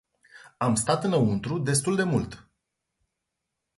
Am stat înăuntru destul de mult.